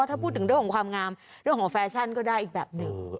ถ้าพูดถึงเรื่องของความงามเรื่องของแฟชั่นก็ได้อีกแบบหนึ่ง